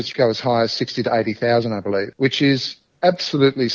keturunan yang diambil adalah enam puluh delapan puluh ribu menurut saya